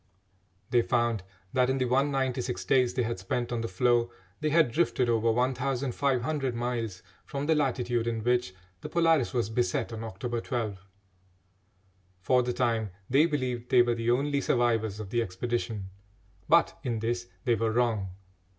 They found that in the 196 days they had spent on the floe they had drifted over 1500 miles from the latitude in which the Polaris was beset on October 12. For the time they believed they were the only survivors of the expedition, but in this they were wrong.